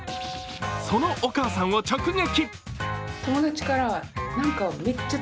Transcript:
そのお母さんを直撃。